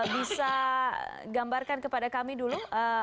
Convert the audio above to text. bisa gambarkan kepada kami dulu